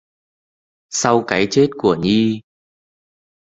Sau cái chết của Nhi